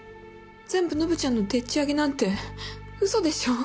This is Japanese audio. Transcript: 全部ノブちゃんのでっち上げなんて嘘でしょう？